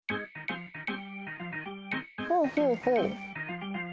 ほうほうほう。